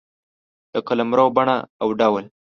د قلمرو بڼه او ډول